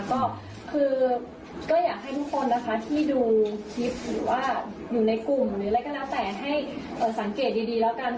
ก็คือก็อยากให้ทุกคนนะคะที่ดูคลิปหรือว่าอยู่ในกลุ่ม